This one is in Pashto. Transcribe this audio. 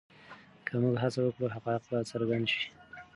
که موږ هڅه وکړو حقایق به څرګند شي.